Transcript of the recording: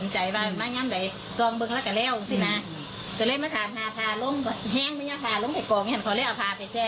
ชาวโแม่นฟันธกฟันการเจอ